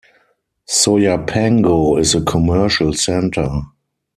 Soyapango is a commercial center.